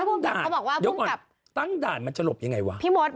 จนยก่อนตั้งด่านจะลบยังไงวะ